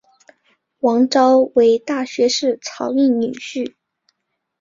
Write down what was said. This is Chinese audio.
王诏为大学士曹鼐女婿。